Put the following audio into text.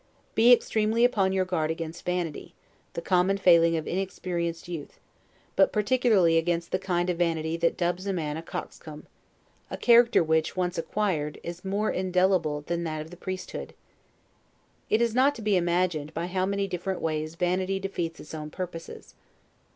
Be extremely upon your guard against vanity, the common failing of inexperienced youth; but particularly against that kind of vanity that dubs a man a coxcomb; a character which, once acquired, is more indelible than that of the priesthood. It is not to be imagined by how many different ways vanity defeats its own purposes.